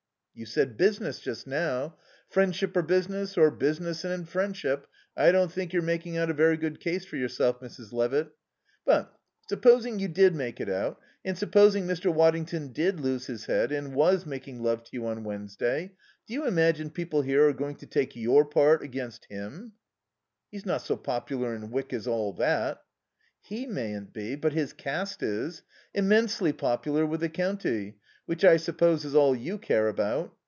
"You said business just now. Friendship or business, or business and friendship, I don't think you're making out a very good case for yourself, Mrs. Levitt. But supposing you did make it out, and supposing Mr. Waddington did lose his head and was making love to you on Wednesday, do you imagine people here are going to take your part against him?" "He's not so popular in Wyck as all that." "He mayn't be, but his caste is. Immensely popular with the county, which I suppose is all you care about.